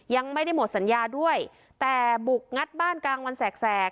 ยังไม่ได้หมดสัญญาด้วยแต่บุกงัดบ้านกลางวันแสก